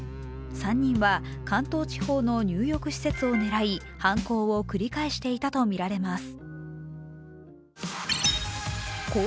３人は関東地方の入浴施設を狙い犯行を繰り返していたとみられます。